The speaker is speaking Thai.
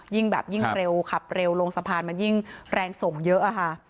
ยิ่งเร็วขับเร็วลงสะพานมันยิ่งแรงสก์เยอะค่ะ